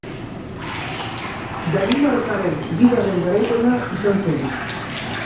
Danimarkaren bigarren garaipena izan zen.